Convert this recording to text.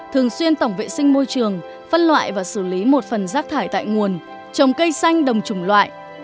thường xuyên tổng vệ sinh môi trường phân loại và xử lý một phần rác thải tại nguồn trồng cây xanh đồng trùng loại